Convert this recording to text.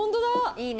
いいね。